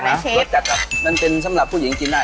รสชาติหลักมันเป็นซ้ำหลักผู้หญิงกินได้